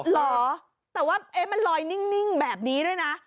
เหรอแต่ว่ามันลอยนิ่งแบบนี้ด้วยนะ